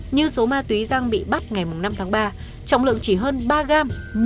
như số ma túy giang bị bắt ngày năm tháng ba trọng lượng chỉ hơn ba gram